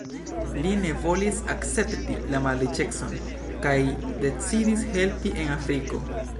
Li ne volis akcepti la malriĉecon kaj decidis helpi en Afriko.